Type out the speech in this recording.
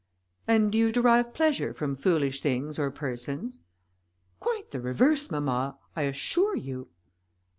"And do you derive pleasure from foolish things or persons?" "Quite the reverse, mamma, I assure you."